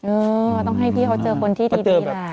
เออต้องให้พี่เขาเจอคนที่ดีแหละ